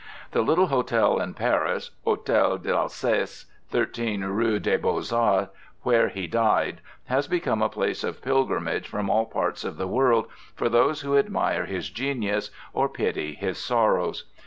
The little hotel in Paris Hotel d'Alsace, 13 rue des Beaux Arts, where he died, has become a place of pilgrimage from all parts of the world for those who admire his genius or pity his sorrows.